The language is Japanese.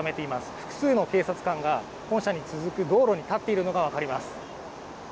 複数の警察官が道路に立っているのがわかります。